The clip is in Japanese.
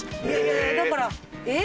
だからえ！？